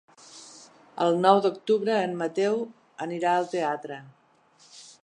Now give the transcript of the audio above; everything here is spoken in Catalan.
El nou d'octubre en Mateu anirà al teatre.